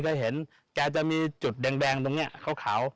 ได้เห็นแกจะมีจุดแดงตรงนี้ขาว